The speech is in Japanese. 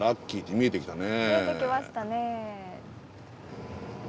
見えてきましたね。